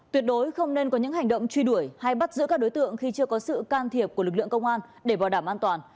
tuyệt đối không nên có những hành động truy đuổi hay bắt giữ các đối tượng khi chưa có sự can thiệp của lực lượng công an để bảo đảm an toàn